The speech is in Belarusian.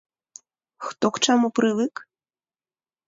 Хто к чаму прывык.